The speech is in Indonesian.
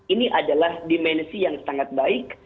ini adalah dimensi yang sangat baik